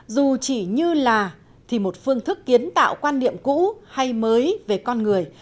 dù chỉ như là thì một phương thức kiến tạo quan điểm cũ hay mới về con người